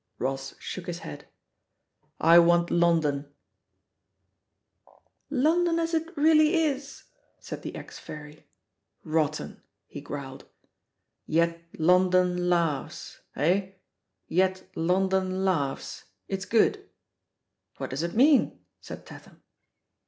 Ross shook his head. "I want 'London' I" 'London as it Really Is' ?" said the ex f airy. 'Rotten 1" he growled. "'Yet London Laughs.' Eh? 'Yet London Laughs' I It's good?" "What does it mean?" said Tatham.